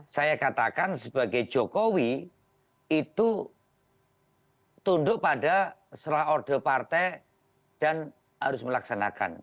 saya katakan sebagai jokowi itu tunduk pada setelah orde partai dan harus melaksanakan